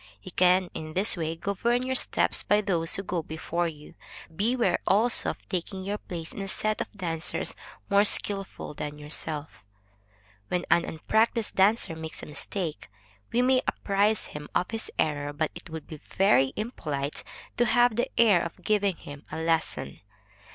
You can in this way govern your steps by those who go before you. Beware also of taking your place in a set of dancers more skilful than yourself. When an unpractised dancer makes a mistake, we may apprise him of his error; but it would be very impolite to have the air of giving him a lesson.